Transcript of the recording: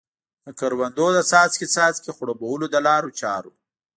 د کروندو د څاڅکې څاڅکي خړوبولو د لارو چارو.